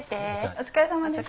お疲れさまでした。